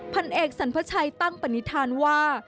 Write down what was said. พันเอกสรรพชัยตั้งปณิธานว่า